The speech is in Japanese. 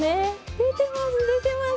出てます。